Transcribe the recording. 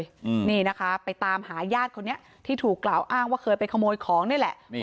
อืมนี่นะคะไปตามหาญาติคนนี้ที่ถูกกล่าวอ้างว่าเคยไปขโมยของนี่แหละนี่